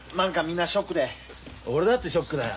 俺だってショックだよ。